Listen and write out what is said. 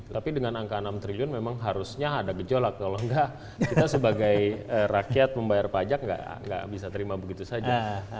tapi dengan angka enam triliun memang harusnya ada gejolak kalau enggak kita sebagai rakyat membayar pajak nggak bisa terima begitu saja